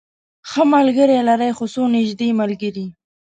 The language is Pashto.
ښه ملګری لرئ؟ هو، څو نږدې ملګری